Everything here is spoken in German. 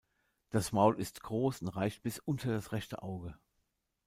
Das Maul ist groß und reicht bis unter das rechte Auge.